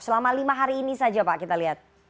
selama lima hari ini saja pak kita lihat